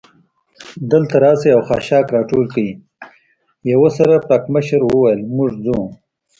دلته راشئ او خاشاک را ټول کړئ، یوه سر پړکمشر وویل: موږ ځو.